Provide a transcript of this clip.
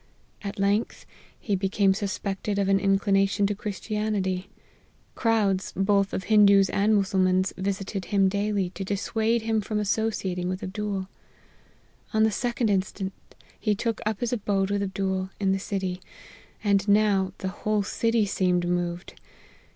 At length, he became suspected of an inclination to Christianity. Crowds, both of Hindoos and Mus sulmans, visited him daily, to dissuade him from associating with Abdool. On the 2d inst., he took up his abode with Abdool, in the city ; and now, the whole city seemed moved.